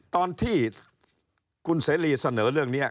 ตอนที่คุณเสรีเสนอเรื่องนี้